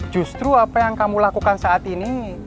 justru apa yang kamu lakukan saat ini